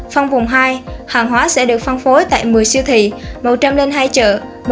phong vùng hai hàng hóa sẽ được phong phối tại một mươi siêu thị một trăm linh hai chợ